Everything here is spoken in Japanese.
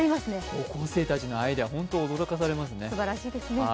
高校生たちのアイデア、ホント驚かされますね。